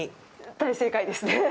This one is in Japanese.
大正解ですね。